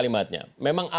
bisa kita tahu cabangnya